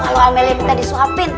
kalo amelie minta disuapin